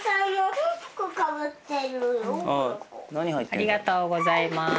ありがとうございます。